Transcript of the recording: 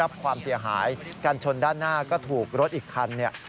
ความเสียหายกันชนด้านหน้าก็ถูกรถอีกคันเนี่ย